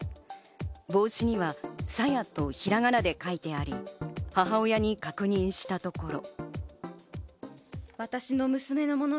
帽子には「さや」とひらがなで書いてあり、母親に確認したところ。